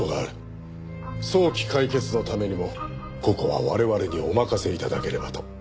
早期解決のためにもここは我々にお任せ頂ければと。